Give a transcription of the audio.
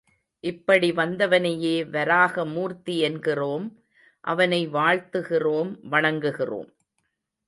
இப்படி வந்தவனையே வராக மூர்த்தி என்கிறோம், அவனை வாழ்த்துகிறோம், வணங்குகிறோம்.